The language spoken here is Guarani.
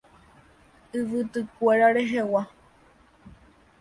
Yvytykuéra rehegua.